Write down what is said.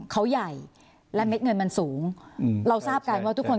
เขาใหญ่และเม็ดเงินมันสูงเราทราบกันว่าทุกคน